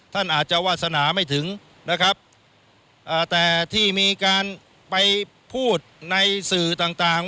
ท่านอาจจะวาสนาไม่ถึงนะครับอ่าแต่ที่มีการไปพูดในสื่อต่างต่าง